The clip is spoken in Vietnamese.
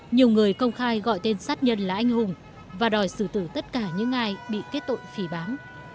nhiều người công khai gọi tên sát nhân là anh hùng và đòi xử tử tất cả những ai bị kết tội phỉ bám